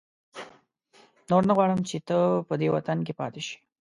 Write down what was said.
نور نه غواړم چې ته په دې وطن کې پاتې شې.